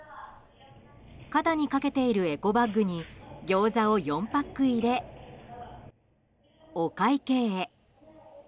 肩にかけているエコバッグにギョーザを４パック入れお会計へ。